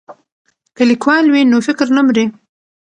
که لیکوال وي نو فکر نه مري.